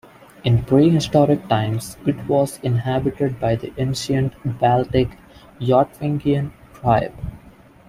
In prehistoric times it was inhabited by the ancient Baltic Yotvingian tribe.